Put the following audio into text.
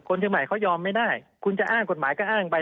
เชียงใหม่เขายอมไม่ได้คุณจะอ้างกฎหมายก็อ้างไป